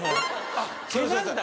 あっ毛なんだ。